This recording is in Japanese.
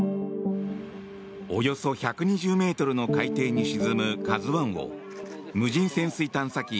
およそ１２０ｍの海底に沈む「ＫＡＺＵ１」を無人潜水探査機